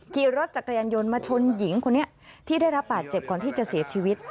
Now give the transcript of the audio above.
ขี่รถจักรยานยนต์มาชนหญิงคนนี้ที่ได้รับบาดเจ็บก่อนที่จะเสียชีวิต